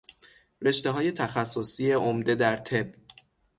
رشتههای تخصصی عمده در طب